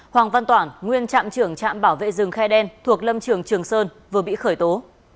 hoàng văn toản nguyên trạm trưởng trạm bảo vệ rừng khai đen thuộc lâm trường trường sơn vừa bị khởi tố